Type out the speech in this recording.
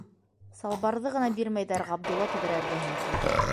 Салбарҙы ғына бирмәйҙәр, - Ғабдулла тәҙрә эргәһенә килде.